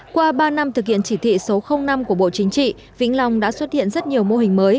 qua ba năm thực hiện chỉ thị số năm của bộ chính trị vĩnh long đã xuất hiện rất nhiều mô hình mới